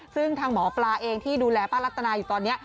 ซึ่งทางหมอปลาเองที่ดูแลป้ารัตนาอยู่ตอนนี้